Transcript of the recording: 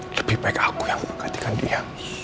lebih baik aku yang menggantikan dia